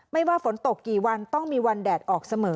ว่าฝนตกกี่วันต้องมีวันแดดออกเสมอ